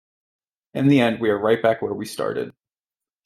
In the end, we are right back where we started.